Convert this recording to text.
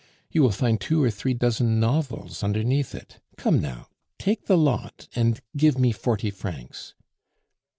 You will find two or three dozen novels underneath it. Come, now, take the lot and give me forty francs."